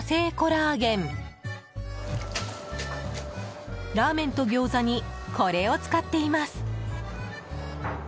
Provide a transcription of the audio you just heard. ラーメンとギョーザにこれを使っています。